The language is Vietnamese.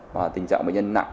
và tình trạng bệnh nhân nặng